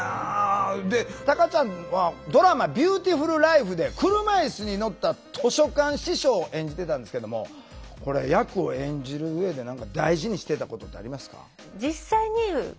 でタカちゃんはドラマ「ビューティフルライフ」で車いすに乗った図書館司書を演じてたんですけどもこれ役を演じる上で何か大事にしてたことってありますか？